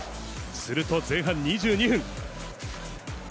すると前半２２分。